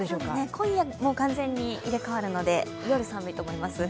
今夜、もう完全に入れかわるので夜、寒いと思います。